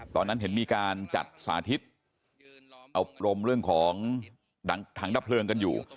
ตอนนั้นเห็นมีการจัดสาธิตเอาปรมเรื่องของถังดับเพลิงกันอยู่